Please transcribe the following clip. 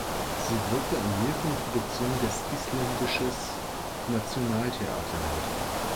Sie wirkte an mehreren Produktionen des Isländisches Nationaltheater mit.